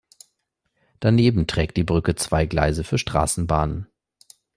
Daneben trägt die Brücke zwei Gleise für Straßenbahnen.